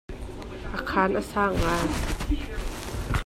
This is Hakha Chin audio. A khan a sang ngai.